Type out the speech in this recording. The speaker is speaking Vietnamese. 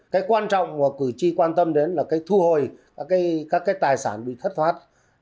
cái quan trọng mà cử tri quan tâm đến là cái thu hồi các cái tài sản bị thất thoát